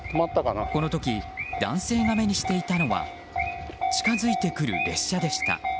この時、男性が目にしていたのは近づいてくる列車でした。